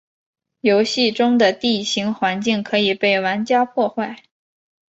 游戏中的地形环境可以被玩家破坏。